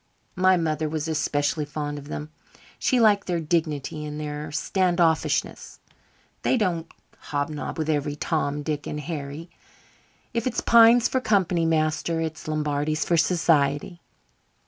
My mother was especially fond of them. She liked their dignity and their stand offishness. They don't hobnob with every Tom, Dick and Harry. If it's pines for company, master, it's Lombardies for society."